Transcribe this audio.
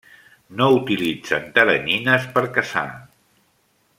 No utilitzen teranyines per caçar.